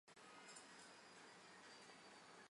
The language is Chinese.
于是郭威和王峻等人策划立刘赟为皇帝的相关事宜。